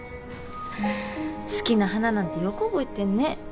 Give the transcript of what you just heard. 好きな花なんてよく覚えてんね。